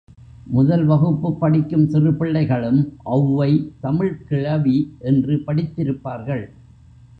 முதல்வகுப்புப் படிக்கும் சிறுபிள்ளைகளும் ஒளவை தமிழ்க்கிழவி என்று படித்திருப்பார்கள்.